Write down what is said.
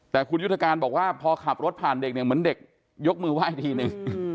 แต่คุณยุทธการบอกว่าพอขับรถผ่านเด็กเนี่ยเหมือนเด็กยกมือไหว้ทีนึง